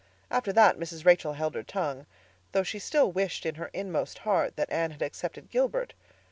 After that Mrs. Rachel held her tongue, though she still wished in her inmost heart that Anne had accepted Gilbert.